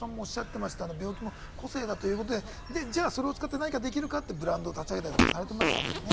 病気も個性だということで、それを使って何かできるかってブランドを立ち上げたりされてましたもんね。